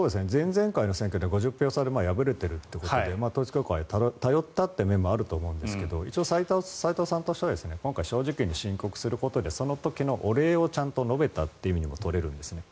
前々回の選挙で５０票差で敗れているということで統一教会に頼ったという面もあると思うんですが一応斎藤さんとしては今回正直に申告することでその時のお礼をちゃんと述べたというにも取れるんですよね。